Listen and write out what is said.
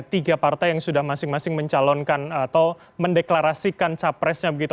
paling tidak ada tiga partai yang sudah masing masing mencalonkan atau mendeklarasikan capresnya begitu